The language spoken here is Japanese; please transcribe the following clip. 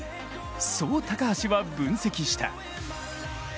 そう高橋は分析した。